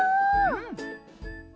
うん！